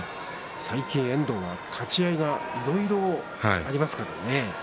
最近、遠藤は立ち合いいろいろあります。